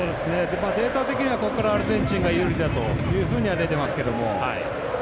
データ的にはここからアルゼンチンが有利だと出てますけど。